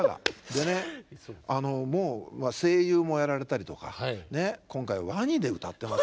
でねもう声優もやられたりとか今回はワニで歌ってます。